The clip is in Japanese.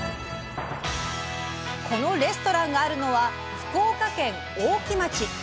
このレストランがあるのは福岡県大木町。